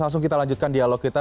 langsung kita lanjutkan dialog kita